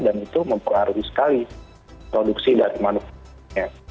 dan itu mempengaruhi sekali produksi dari manusia